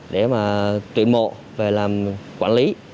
để mà tuyển mộ về làm quản lý